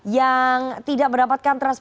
yang tidak mendapatkan transaksi